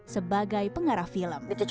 sebagai pengarah film